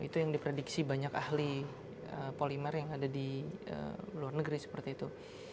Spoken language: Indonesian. itu yang diprediksi banyak ahli polimer yang ada di luar negeri seperti itu